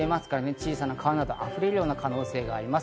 小さな川など溢れる可能性があります。